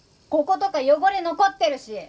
こことか汚れ残ってるし！